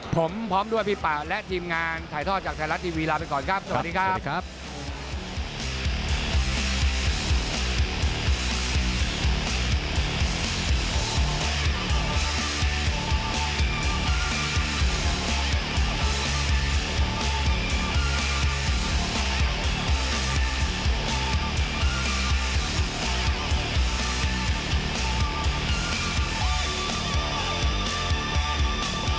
ผมพร้อมด้วยพี่ป่าและทีมงานถ่ายทอดจากไทยรัฐทีวีลาไปก่อนครับสวัสดีครับ